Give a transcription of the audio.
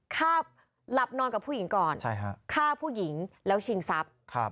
ฆ่าหลับนอนกับผู้หญิงก่อนฆ่าผู้หญิงแล้วชิงทรัพย์